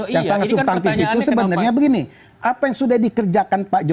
yang sangat gucken sebenarnya begini apa yang sudah dikerjakan pak jokowi dan apa yang belum